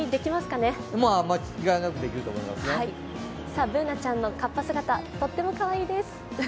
Ｂｏｏｎａちゃんのかっぱ姿とってもかわいいです。